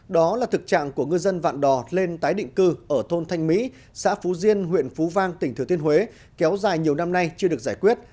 đó là thực trạng của ngư dân vạn đò lên tái định cư ở thôn thanh mỹ xã phú diên huyện phú vang tỉnh thừa thiên huế kéo dài nhiều năm nay chưa được giải quyết